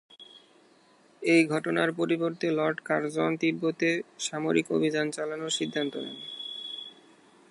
এই ঘটনার পরিপ্রেক্ষিতে লর্ড কার্জন তিব্বতে সামরিক অভিযান চালানোর সিদ্ধান্ত নেন।